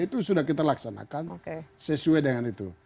itu sudah kita laksanakan sesuai dengan itu